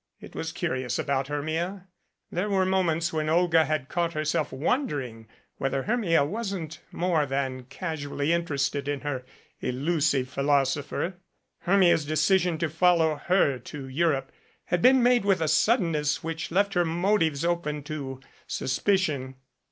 It was curious about Hermia there were moments when Olga had caught herself wondering whether Hermia wasn't more than casually interested in her elu sive philosopher. Hermia's decision to follow her to Europe had been made with a suddenness which left her motives open to suspicion.